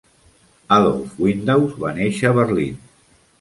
Adolf Windaus va néixer a Berlín.